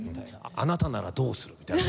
あなたならどうする？みたいな。